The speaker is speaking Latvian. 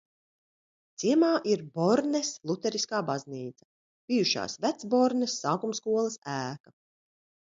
Ciemā ir Bornes luteriskā baznīca, bijušās Vecbornes sākumskolas ēka.